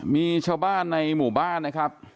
มีชาวบ้านในหมู่บ้านนะครับ